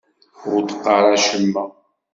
Ur d-qqaṛ acemma.